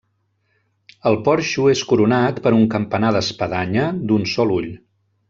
El porxo és coronat per un campanar d'espadanya, d'un sol ull.